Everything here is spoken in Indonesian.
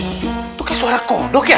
itu kayak suara kodok ya